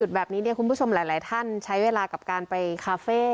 แบบนี้เนี่ยคุณผู้ชมหลายท่านใช้เวลากับการไปคาเฟ่